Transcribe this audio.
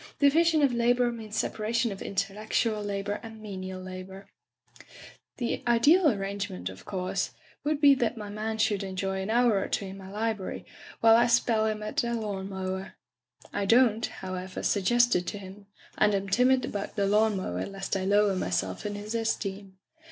Division of labor means separation of intellectual la bor and menial labor. The ideal arrangement Digitized by LjOOQ IC Interventions of course, would be that my man should en joy an hour or two in my library while I spell him at the lawn mower. I don't, however, suggest it to him, and am timid about the lawn mower lest I lower myself in his esteem.